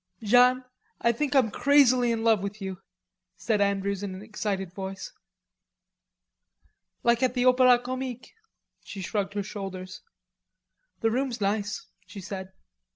"Jeanne, I think I'm crazily in love with you," said Andrews in an excited voice. "Like at the Opera Comique." She shrugged her shoulders. "The room's nice," she said.